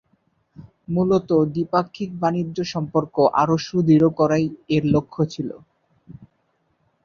মূলত দ্বিপাক্ষিক বাণিজ্য সম্পর্ক আরো সুদৃঢ় করাই এর লক্ষ্য ছিল।